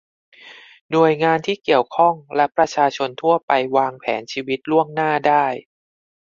หน่วยงานที่เกี่ยวข้องและประชาชนทั่วไปวางแผนชีวิตล่วงหน้าได้